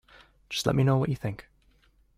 Just let me know what you think